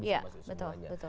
bisa masuk ke semuanya